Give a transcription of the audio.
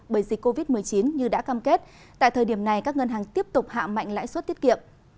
bởi dịch covid một mươi chín như đã cam kết tại thời điểm này các ngân hàng tiếp tục hạ mạnh lãi suất tiết kiệm